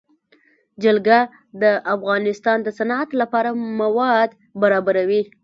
جلګه د افغانستان د صنعت لپاره مواد برابروي.